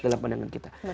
dalam pandangan kita